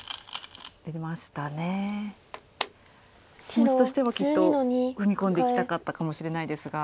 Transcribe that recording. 気持ちとしてはきっと踏み込んでいきたかったかもしれないですが。